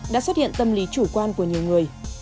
đã xuất hiện tâm lý chủ quan của nhiều người